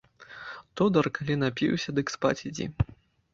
Тодар, калі напіўся, дык спаць ідзі.